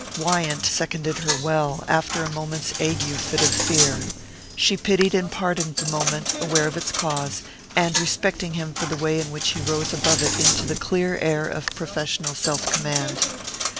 Wyant seconded her well, after a moment's ague fit of fear. She pitied and pardoned the moment, aware of its cause, and respecting him for the way in which he rose above it into the clear air of professional self command.